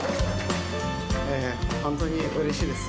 本当にうれしいです。